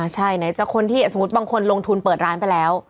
ใช่สมมุติบางคนลงทุนเปิดร้านไปแล้ว